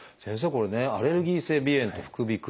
これねアレルギー性鼻炎と副鼻腔